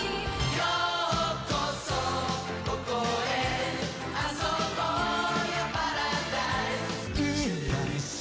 「ようこそここへ遊ぼうよパラダイス」